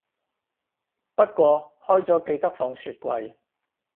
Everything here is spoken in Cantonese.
不過開咗記得放雪櫃